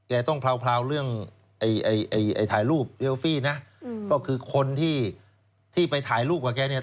ต้องพราวเรื่องถ่ายรูปเลฟี่นะก็คือคนที่ไปถ่ายรูปกับแกเนี่ย